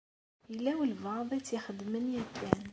Yella walebɛaḍ i tt-ixedmen yakan.